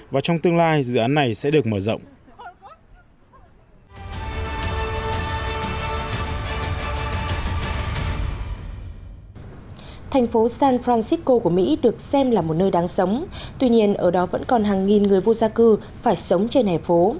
và trong tương lai dự án này sẽ được mở ra